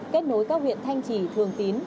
kết nối các huyện thanh trì thường tín